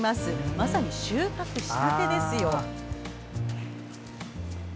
まさに収穫したてですよ。